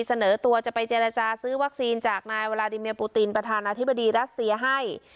เสนอตัวจะไปเจรจาซื้อวัคซีนจากนายวาลาดิเมียปูตินประธานาธิบดีรัสเซียให้